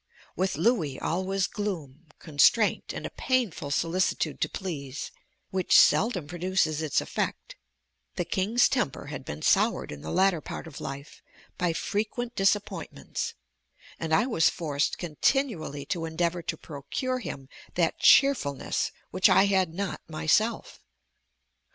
With Louis all was gloom, constraint, and a painful solicitude to please which seldom produces its effect; the king's temper had been soured in the latter part of life by frequent disappointments; and I was forced continually to endeavor to procure him that cheerfulness which I had not myself.